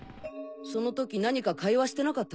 その時何か会話してなかったか？